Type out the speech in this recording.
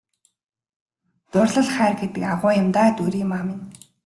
Дурлал хайр гэдэг агуу юм даа Дүүриймаа минь!